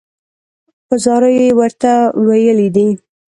په زاریو یې ورته ویلي دي.